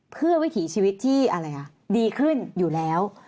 เพื่อวิถีชีวิตที่อะไรคะดีขึ้นอยู่แล้ว